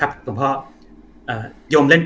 อาจจะพอซ่อมเป็นได้